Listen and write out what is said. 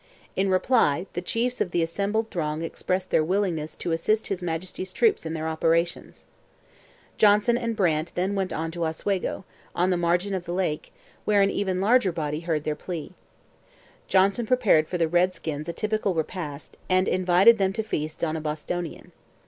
In reply the chiefs of the assembled throng expressed their willingness to 'assist his Majesty's troops in their operations.' Johnson and Brant then went on to Oswego, on the margin of the lake, where an even larger body heard their plea. Johnson prepared for the redskins a typical repast, and 'invited them to feast on a Bostonian.'